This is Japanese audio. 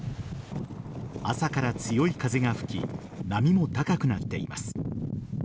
朝から強い風が吹き波も高くなっています。